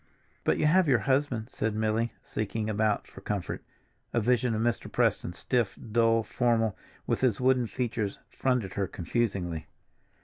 "But you have your husband," said Milly, seeking about for comfort. A vision of Mr. Preston, stiff, dull, formal, with his wooden features, fronted her confusingly.